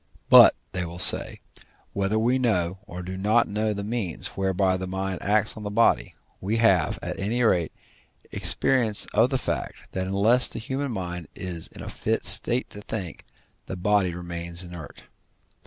But, they will say, whether we know or do not know the means whereby the mind acts on the body, we have, at any rate, experience of the fact that unless the human mind is in a fit state to think, the body remains inert.